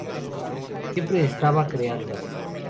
Siempre estaba creando".